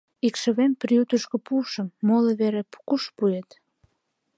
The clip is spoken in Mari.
— Икшывем приютышко пуышым, моло вере куш пуэт?